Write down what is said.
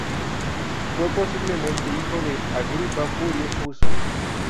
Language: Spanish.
Fue posiblemente hijo de Agripa Furio Fuso.